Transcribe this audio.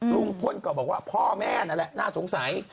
ลุงพลก็บอกว่าพ่อแม่นั่นแหละน่าสงสัย